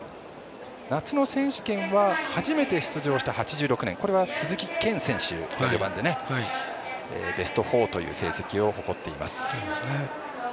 夏の選手権は初めて出場した８６年鈴木健選手が４番でベスト４という成績を誇っています。